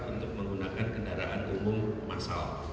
untuk menggunakan kendaraan umum masal